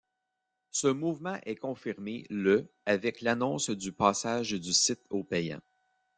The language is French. Ce mouvement est confirmé le avec l'annonce du passage du site au payant.